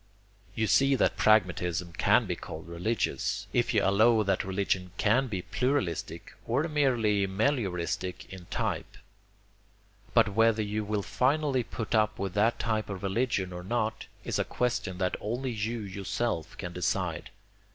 You see that pragmatism can be called religious, if you allow that religion can be pluralistic or merely melioristic in type. But whether you will finally put up with that type of religion or not is a question that only you yourself can decide.